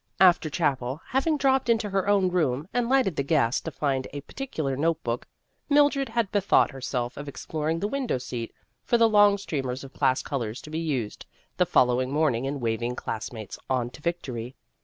After Chapel, having dropped into her own room and lighted the gas to find a par ticular notebook, Mildred had bethought herself of exploring the window seat for the long streamers of class colors to be used the following morning in waving classmates on to victory.